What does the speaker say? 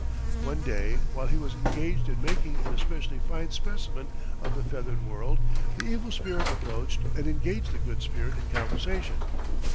One day while he was engaged in making an especially fine specimen of the feathered world, the evil spirit approached and engaged the Good Spirit in conversation.